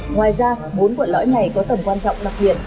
ngoài ra bốn quận lõi này có tầm quan trọng đặc biệt